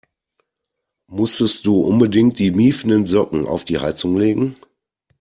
Musstest du unbedingt die miefenden Socken auf die Heizung legen?